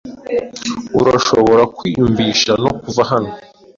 Urashobora kwiyumvisha no kuva hano.